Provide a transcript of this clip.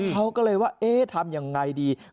เขาก็เลยว่าเอ๊ะทำยังไงดี